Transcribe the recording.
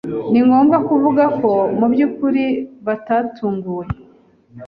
Ningomba kuvuga ko mubyukuri batatunguwe.